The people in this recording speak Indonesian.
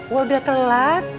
gue udah telat